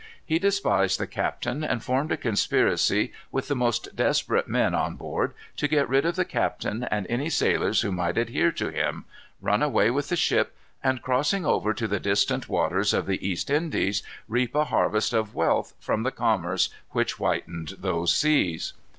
He despised the captain, and formed a conspiracy with the most desperate men on board, to get rid of the captain and any sailors who might adhere to him, run away with the ship, and crossing over to the distant waters of the East Indies, reap a harvest of wealth from the commerce which whitened those seas.